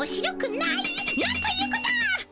なんということを！